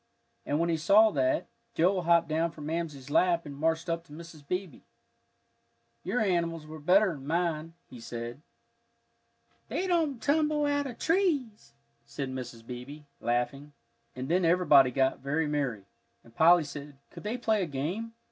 And when he saw that, Joel hopped down from Mamsie's lap and marched up to Mrs. Beebe. "Your animals were better'n mine," he said. "They don't tumble out of trees," said Mrs. Beebe, laughing. And then everybody got very merry, and Polly said, Could they play a game?